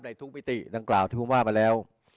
ในทุกวิติดังกล่าวที่พูดมากมาแล้ว